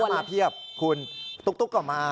อันนั้นมาเพียบคุณตุ๊กกลับมา